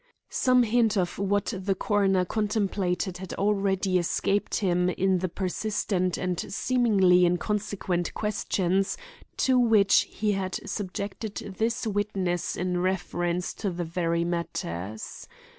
Some hint of what the coroner contemplated had already escaped him in the persistent and seemingly inconsequent questions to which he had subjected this witness in reference to these very matters.